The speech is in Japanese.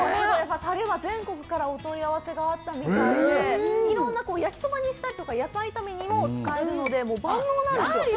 タレは全国からお問い合わせがあったみたいで、いろんな焼きそばにしたりとか野菜炒めにも使えるので、万能なんですよ。